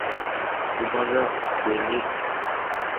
u paza’ kuyni.